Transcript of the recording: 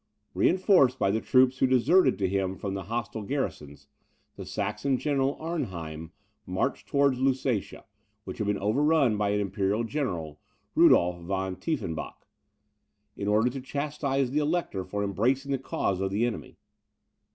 Reinforced by the troops who deserted to him from the hostile garrisons, the Saxon General, Arnheim, marched towards Lusatia, which had been overrun by an Imperial General, Rudolph von Tiefenbach, in order to chastise the Elector for embracing the cause of the enemy.